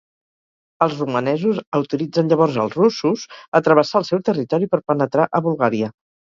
Els romanesos autoritzen llavors els russos a travessar el seu territori per penetrar a Bulgària.